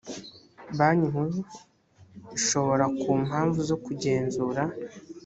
banki nkuru ishobora ku mpamvu zo kugenzura